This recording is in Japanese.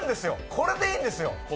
これでいいんですよ。